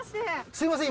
すみません